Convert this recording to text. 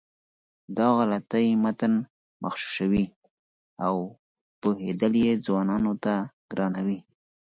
دا غلطۍ متن مغشوشوي او پوهېدل یې ځوانانو ته ګرانوي.